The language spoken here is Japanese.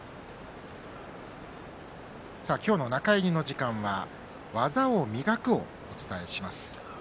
今日の中入りの時間は「技を磨く」をお伝えします。